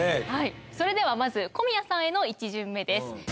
それではまず小宮さんへの１巡目です。